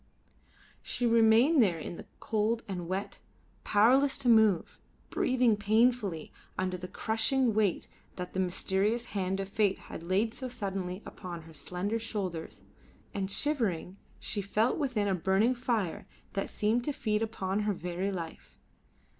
She remained there in the cold and wet, powerless to move, breathing painfully under the crushing weight that the mysterious hand of Fate had laid so suddenly upon her slender shoulders, and shivering, she felt within a burning fire, that seemed to feed upon her very life.